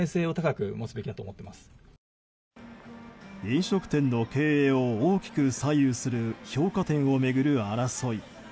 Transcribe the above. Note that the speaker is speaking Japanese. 飲食店の経営を大きく左右する評価点を巡る争い。